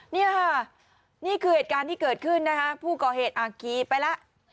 นี่ค่ะนี่คือเหตุการณ์ที่เกิดขึ้นนะคะผู้ก่อเหตุขี่ไปแล้ว